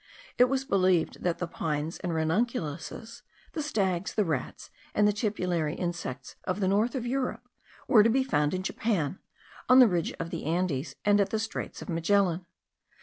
It was believed that the pines and ranunculuses, the stags, the rats, and the tipulary insects of the north of Europe, were to be found in Japan, on the ridge of the Andes, and at the Straits of Magellan.